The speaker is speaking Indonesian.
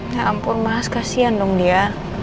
ya ampun mas kasian dong dia